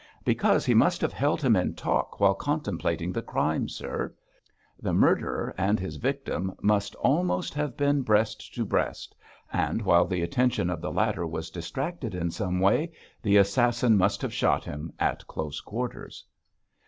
'Because he must have held him in talk while contemplating the crime, sir. The murderer and his victim must almost have been breast to breast, and while the attention of the latter was distracted in some way, the assassin must have shot him at close quarters.'